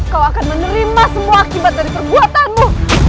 kau akan menerima semua akibat dari perbuatanmu